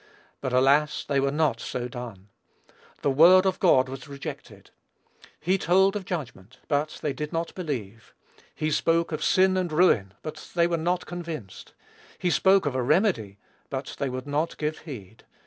But, alas! they were not so done. The word of God was rejected. He told of judgment; but they did not believe. He spoke of sin and ruin; but they were not convinced. He spoke of a remedy; but they would not give heed.